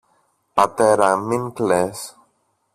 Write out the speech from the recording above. πατέρα, μην κλαις.